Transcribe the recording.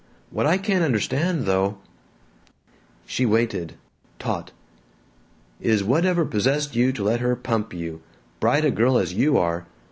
What I can't understand though " She waited, taut. " is whatever possessed you to let her pump you, bright a girl as you are.